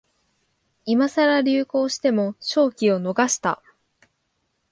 今さら流行しても商機を逃した